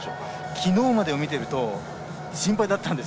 昨日までを見ていると心配だったんです。